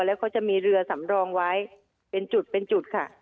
และเขาจะมีเรือสำรองไว้เป็นจุดค่ะ